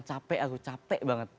capek aku capek banget